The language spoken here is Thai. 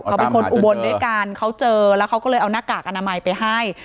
เขาจะด้วยการค้าวเจอแล้วเขาก็เลยเอานักกากอนามัยไปให้